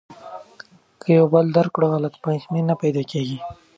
که یو بل درک کړو نو غلط فهمي نه پیدا کیږي.